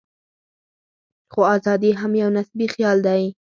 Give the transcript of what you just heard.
خو ازادي هم یو نسبي خیال دی.